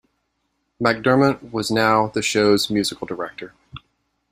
MacDermot was now the show's musical director.